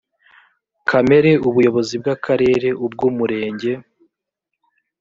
kamere ubuyobozi bw akarere ubw umurenge